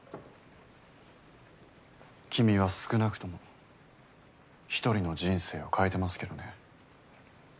君は少なくとも１人の人生を変えてますけどね。